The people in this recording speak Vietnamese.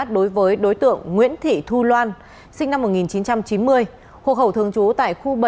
đối với đối tượng nguyễn thị thu loan sinh năm một nghìn chín trăm chín mươi hộ khẩu thường trú tại khu bảy